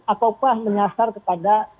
ataupun menyasar kepada